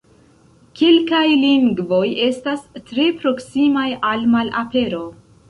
Kelkaj lingvoj estas tre proksimaj al malapero.